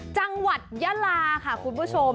จังหวัดยาลาค่ะคุณผู้ชม